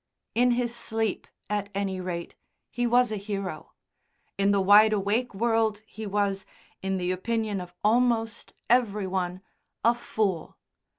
In his sleep, at any rate, he was a hero; in the wide awake world he was, in the opinion of almost every one, a fool.